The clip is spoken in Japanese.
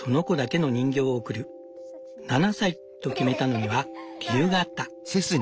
「７歳」と決めたのには理由があった。